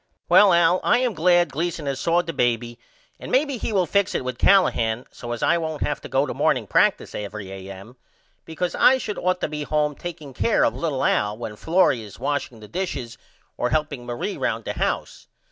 Well Al I am glad Gleason has saw the baby and maybe he will fix it with Callahan so as I won't have to go to morning practice every A.M. because I should ought to be home takeing care of little Al when Florrie is washing the dishes or helping Marie round the house.